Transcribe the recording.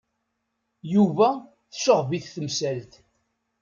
Yuba tecɣeb-it temsalt.